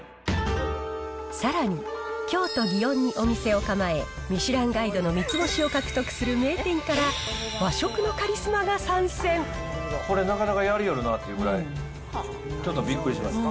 さらに京都・祇園にお店を構え、ミシュランガイドの３つ星を獲得する名店から、和食のカリスマがこれ、なかなかやりよるなっていうぐらい、ちょっとびっくりしました。